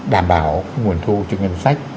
đảm bảo nguồn thu cho ngân sách